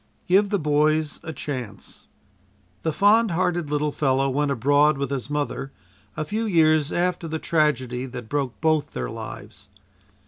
"GIVE THE BOYS A CHANCE" The fond hearted little fellow went abroad with his mother a few years after the tragedy that broke both their lives.